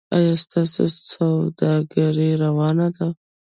ایا ستاسو سوداګري روانه ده؟